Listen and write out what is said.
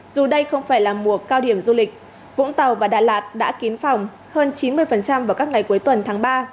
dù đây không phải là mùa cao điểm du lịch vũng tàu và đà lạt đã kín phòng hơn chín mươi vào các ngày cuối tuần tháng ba